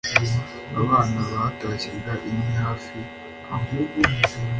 Abana batashyaga inkwi hafi aho